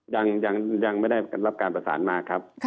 ยังไม่ได้รับการประสานมาครับ